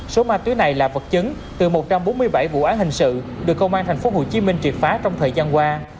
số ma túy này là vật chứng từ một trăm bốn mươi bảy vụ án hình sự được công an tp hcm triệt phá trong thời gian qua